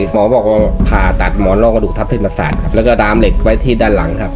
หมอบอกว่าผ่าตัดหมอนร่องกระดูกทัศนิษฐศาสตร์แล้วก็ดามเหล็กไว้ที่ด้านหลังครับ